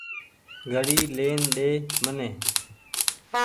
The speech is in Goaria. گھڙي لين ۮي مني ۔